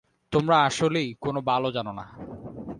তোমরা আসলেই কোন বালও জানোনা।